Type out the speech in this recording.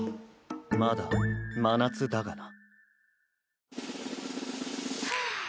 まだ真夏だがな。